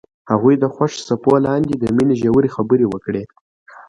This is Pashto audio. هغوی د خوښ څپو لاندې د مینې ژورې خبرې وکړې.